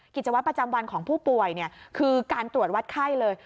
กิจวัตรประจำวันของผู้ป่วยคือการตรวจวัดไข้เลย